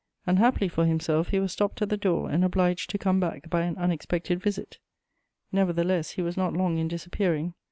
Unhappily for himself, he was stopped at the door and obliged to come back by an unexpected visit: nevertheless he was not long in disappearing.